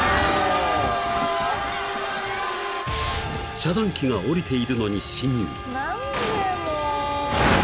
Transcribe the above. ［遮断機が下りているのに進入］